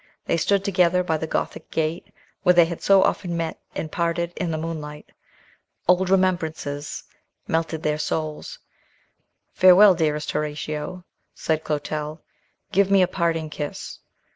They stood together by the Gothic gate, where they had so often met and parted in the moonlight. Old remembrances melted their souls. "Farewell, dearest Horatio," said Clotel. "Give me a parting kiss."